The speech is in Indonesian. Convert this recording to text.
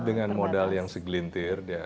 dengan modal yang segelintir